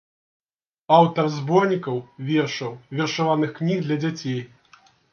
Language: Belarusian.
Аўтар зборнікаў вершаў, вершаваных кніг для дзяцей.